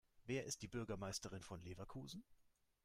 Wer ist die Bürgermeisterin von Leverkusen?